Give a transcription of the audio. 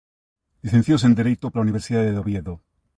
Licenciouse en Dereito pola Universidade de Oviedo.